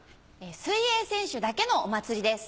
水泳選手だけのお祭りです。